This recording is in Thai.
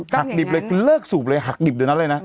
หักดิบเลยคุณเลิกสูบเลยหักดิบเดี๋ยวนั้นเลยนะ